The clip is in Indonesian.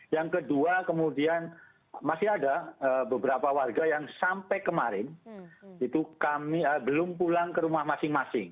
yang kedua kemudian masih ada beberapa warga yang sampai kemarin itu kami belum pulang ke rumah masing masing